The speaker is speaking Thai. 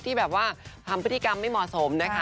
ที่แบบว่าทำพฤติกรรมไม่เหมาะสมนะคะ